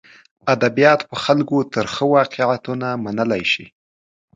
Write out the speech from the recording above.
ادبیات په خلکو ترخه واقعیتونه منلی شي.